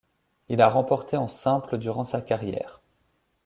Il a remporté en simple durant sa carrière.